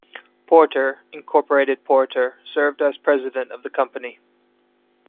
Porter, Incorporated Porter served as president of the company.